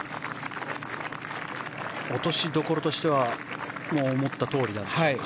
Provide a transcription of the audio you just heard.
落としどころとしては思ったとおりでしょうか。